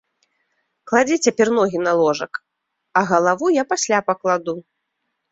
Кладзі цяпер ногі на ложак, а галаву я пасля пакладу.